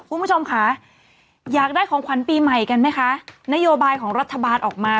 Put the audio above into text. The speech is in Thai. คุณผู้ชมค่ะอยากได้ของขวัญปีใหม่กันไหมคะนโยบายของรัฐบาลออกมา